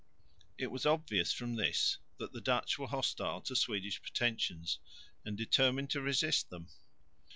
It was obvious from, this that the Dutch were hostile to Swedish pretensions and determined to resist them.